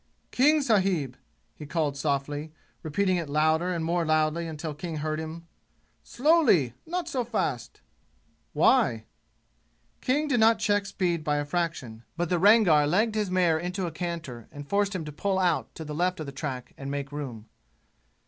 "King sahib!" he called softly, repeating it louder and more loudly until King heard him. "Slowly! Not so fast!" "Why?" King did not check speed by a fraction, but the Rangar legged his mare into a canter and forced him to pull out to the left of the track and make room.